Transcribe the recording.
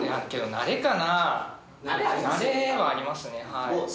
慣れはありますね。